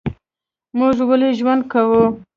موږ ولي ژوند کوو؟